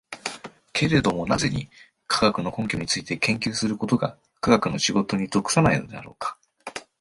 けれども何故に、科学の根拠について研究することが科学者の仕事に属しないのであろうか。